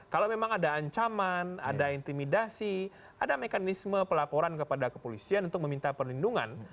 kalau memang ada ancaman ada intimidasi ada mekanisme pelaporan kepada kepolisian untuk meminta perlindungan